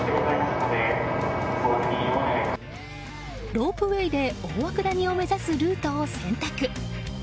ロープウェーで大涌谷を目指すルートを選択。